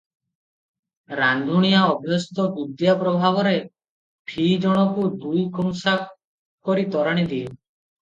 ରାନ୍ଧୁଣିଆ ଅଭ୍ୟସ୍ତ ବିଦ୍ୟା ପ୍ରଭାବରେ ଫି ଜଣକୁ ଦୁଇ କଂସା କରି ତୋରାଣି ଦିଏ ।